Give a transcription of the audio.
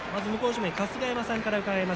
春日山さんから伺います。